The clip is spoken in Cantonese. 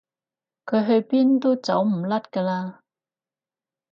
佢去邊都走唔甩㗎啦